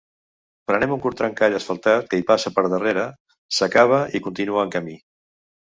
Prenem un curt trencall asfaltat que hi passa per darrere, s'acaba i continua en camí.